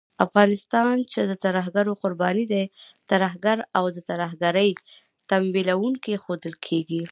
افغانستان چې د ترهګرۍ قرباني دی، ترهګر او د ترهګرۍ تمويلوونکی ښودل کېږي